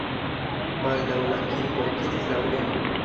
Baldaŭ la kirko akiris la orgenon.